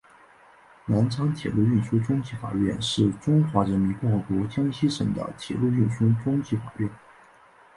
南昌铁路运输中级法院是中华人民共和国江西省的铁路运输中级法院。